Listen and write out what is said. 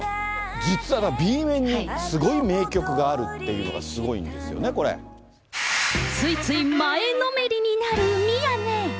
実は、Ｂ面にすごい名曲があるっていうのが、ついつい前のめりになる宮根。